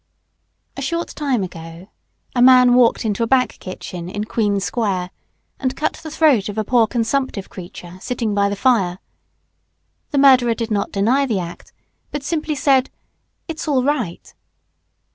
A short time ago a man walked into a back kitchen in Queen square, and cut the throat of a poor consumptive creature, sitting by the fire. The murderer did not deny the act, but simply said, "It's all right."